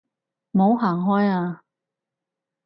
唔好行開啊